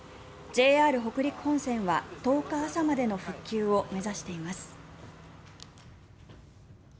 北陸本線は１０日朝までの復旧を目指しています。